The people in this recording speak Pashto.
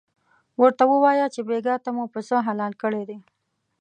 ورته ووایه چې بېګاه ته مو پسه حلال کړی دی.